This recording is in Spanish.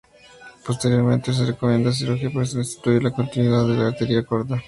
Posteriormente se recomienda cirugía para restituir la continuidad de la arteria aorta.